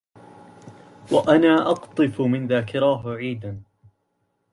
وأنا أقطف من ذاكراه.. عيدا!